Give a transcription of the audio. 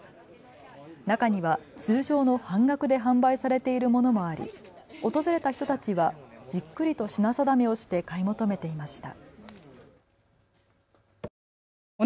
中には通常の半額で販売されているものもあり訪れた人たちはじっくりと品定めをして買い求めていました。